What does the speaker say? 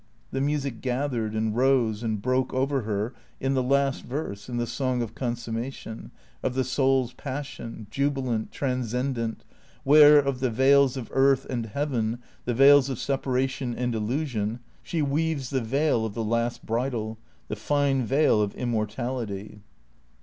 The music gathered and rose and broke over her in the last veroC, in the song of consummation, of the soul's passion, jubilant, transcendent, where, of the veils of earth and heaven, the veils of separation and illusion, sbe weaves the veil of the last bridal, the fine veil of immortality.